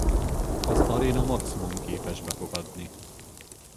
Az aréna maximum képes befogadni.